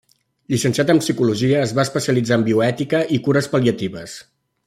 Llicenciat en psicologia, es va especialitzar en bioètica i cures pal·liatives.